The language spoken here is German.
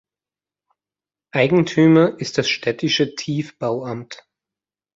Eigentümer ist das städtische Tiefbauamt.